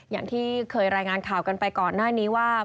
อย่างที่เคยรายงานข่าวกันไปก่อนหน้านี้ว่า